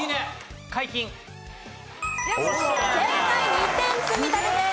２点積み立てです。